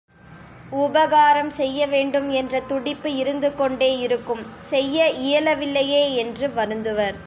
உபகாரம் செய்ய வேண்டும் என்ற துடிப்பு இருந்துகொண்டே இருக்கும் செய்ய இயலவில்லையே என்று வருந்துவர்.